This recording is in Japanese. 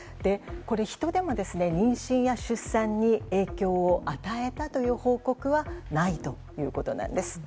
ヒトでも妊娠や出産に影響を与えたという報告はないということなんです。